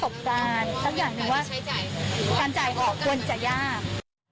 บการณ์สักอย่างหนึ่งว่าการจ่ายออกควรจะยาก